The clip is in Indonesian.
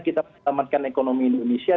kita menyelamatkan ekonomi indonesia